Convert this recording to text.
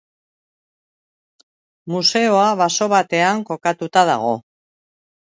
Museoa baso batean kokatuta dago.